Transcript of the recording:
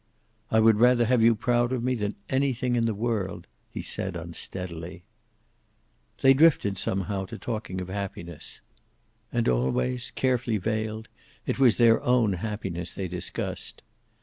"I would rather have you proud of me than anything in the world," he said, unsteadily. They drifted, somehow, to talking of happiness. And always, carefully veiled, it was their own happiness they discussed.